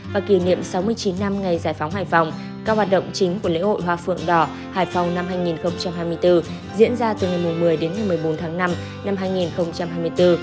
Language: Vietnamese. và kỷ niệm sáu mươi chín năm ngày giải phóng hải phòng các hoạt động chính của lễ hội hoa phượng đỏ hải phòng năm hai nghìn hai mươi bốn diễn ra từ ngày một mươi đến ngày một mươi bốn tháng năm năm hai nghìn hai mươi bốn